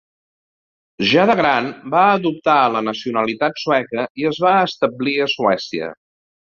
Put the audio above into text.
Ja de gran va adoptar la nacionalitat sueca i es va establir a Suècia.